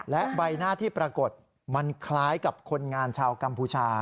และใบหน้าที่ปรากฏมันคล้ายกับคนงานชาวกัมพูชา